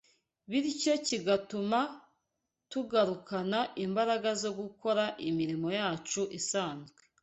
bityo kigatuma tugarukana imbaraga zo gukora imirimo yacu isanzwe